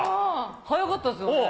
速かったですよね。